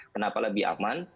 kenapa lebih aman